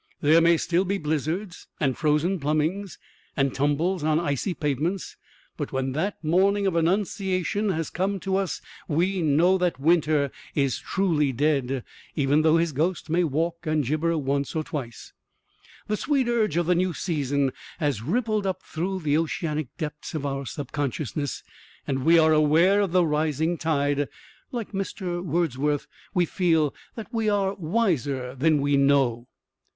There may still be blizzards and frozen plumbings and tumbles on icy pavements, but when that morning of annunciation has come to us we know that winter is truly dead, even though his ghost may walk and gibber once or twice. The sweet urge of the new season has rippled up through the oceanic depths of our subconsciousness, and we are aware of the rising tide. Like Mr. Wordsworth we feel that we are wiser than we know.